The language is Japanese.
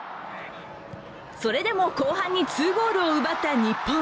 それでも後半に２ゴールを奪った日本。